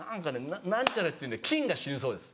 何ちゃらっていう菌が死ぬそうです。